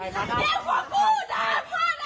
น่าพอดำแม่ค่ะ